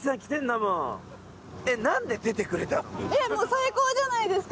もう最高じゃないですか。